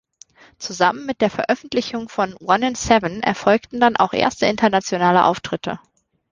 Zusammen mit der Veröffentlichung von "One In Seven" erfolgten dann auch erste internationale Auftritte.